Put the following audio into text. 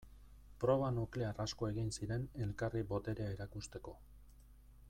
Proba nuklear asko egin ziren elkarri boterea erakusteko.